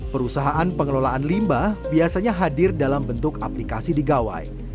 perusahaan pengelolaan limbah biasanya hadir dalam bentuk aplikasi digawai